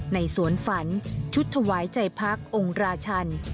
ในสวนฝันชุดถวายใจพักองค์ราชัน